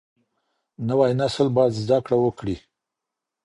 نوی نسل باید زده کړه وکړي.